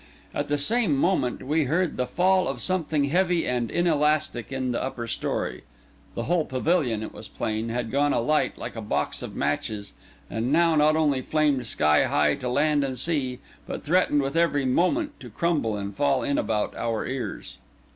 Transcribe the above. At the same moment we heard the fall of something heavy and inelastic in the upper story. The whole pavilion, it was plain, had gone alight like a box of matches, and now not only flamed sky high to land and sea, but threatened with every moment to crumble and fall in about our ears.